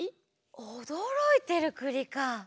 おどろいてるくりか。